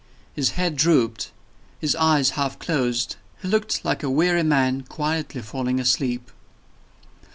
His head drooped; his eyes half closed he looked like a weary man quietly falling asleep.